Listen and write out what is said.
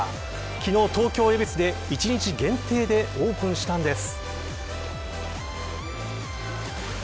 昨日、東京の恵比寿で１日限定でオープンしたんです。